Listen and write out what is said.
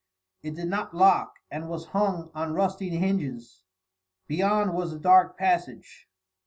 It did not lock, and was hung on rusty hinges. Beyond was a dark passage.